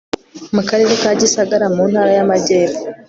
mu karere ka gisagara mu ntara y'amajyepfo